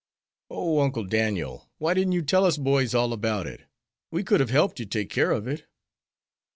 "Oh, Uncle Daniel, why didn't you tell us boys all about it? We could have helped you take care of it."